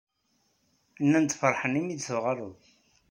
Nnan-d feṛḥen imi i d-tuɣaleḍ.